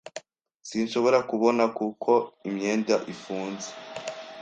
Sinshobora kubona kuko imyenda ifunze.